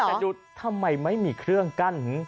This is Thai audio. แต่ดูทำไมไม่มีเครื่องกั้น